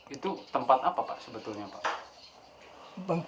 itu tempat apa pak sebetulnya pak